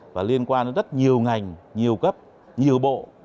và liên quan đến rất nhiều ngành nhiều cấp nhiều bộ